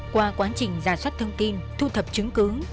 qua quá trình giả soát thông tin thu thập chứng cứ